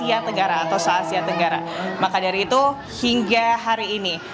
ini merupakan masjid terluas wilayahnya di asia tenggara maka dari itu hingga hari ini